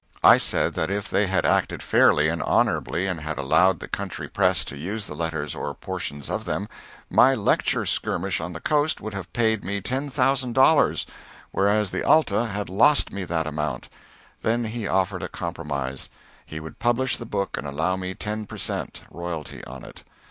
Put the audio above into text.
I said that if they had acted fairly and honorably, and had allowed the country press to use the letters or portions of them, my lecture skirmish on the coast would have paid me ten thousand dollars, whereas the "Alta" had lost me that amount. Then he offered a compromise: he would publish the book and allow me ten per cent. royalty on it.